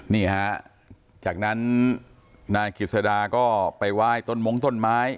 นี่ฮะจากนั้นนายกิจสดาก็ไปไหว้ต้นมงต้นไม้